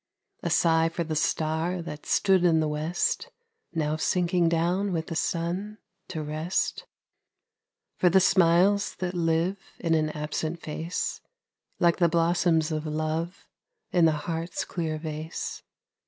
A sigh for the star that stood in the West, Now sinking down with the sun to rest, For the smiles that live in an absent face Like the blossoms of love in the heart's clear vase.